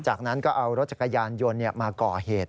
จากนั้นก็เอารถจักรยานยนต์มาก่อเหตุ